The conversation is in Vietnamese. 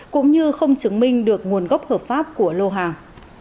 cũng như không chứng minh được nguồn gốc hợp pháp của lô hàng